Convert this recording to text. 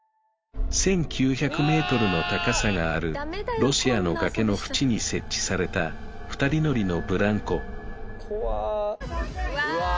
１９００ｍの高さがあるロシアの崖のふちに設置された２人乗りのブランコわあ